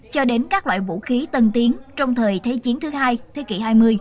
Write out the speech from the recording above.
cho đến các loại vũ khí tân tiến trong thời thế chiến thứ hai thế kỷ hai mươi